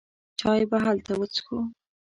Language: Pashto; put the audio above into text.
چای به هلته وڅښو.